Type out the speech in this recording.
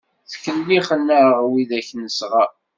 Ttkellixen-aɣ wid-ak nesɣeṛ.